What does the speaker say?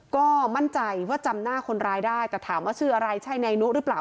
ก็มั่นใจว่าจำหน้าคนร้ายได้แต่ถามว่าชื่ออะไรใช่นายนุหรือเปล่า